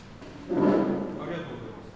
ありがとうございます。